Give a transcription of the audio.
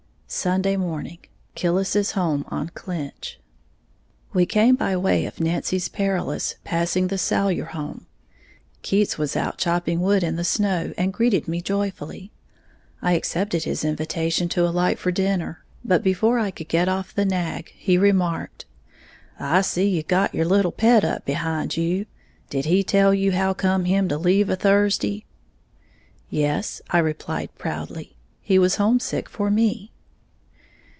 Sunday Morning, Killis's Home on Clinch. We came by way of Nancy's Perilous, passing the Salyer home. Keats was out chopping wood in the snow, and greeted me joyfully. I accepted his invitation to alight for dinner; but before I could get off the nag, he remarked, "I see you got your little pet up behind you, did he tell you how come him to leave a Thursday?" "Yes," I replied, proudly; "he was homesick for me."